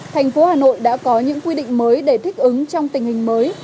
thành phố hà nội đã có những quy định mới để thích ứng trong tình hình mới